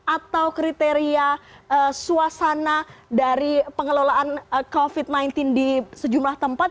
atau kriteria suasana dari pengelolaan covid sembilan belas di sejumlah tempat